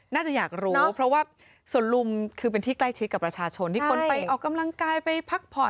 น่าจะอยากรู้เพราะว่าสวนลุมคือเป็นที่ใกล้ชิดกับประชาชนที่คนไปออกกำลังกายไปพักผ่อน